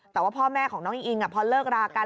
แต่ว่าพ่อแม่ของน้องอิงอิงพอเลิกรากัน